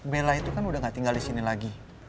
bella itu kan udah gak tinggal disini lagi